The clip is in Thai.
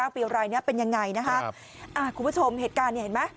ปี๑๙ปีอะไรเป็นยังไงครับกูผู้ชมเกิดการเห็นไหม